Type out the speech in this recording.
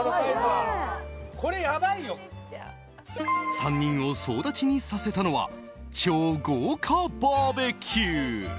３人を総立ちにさせたのは超豪華バーベキュー。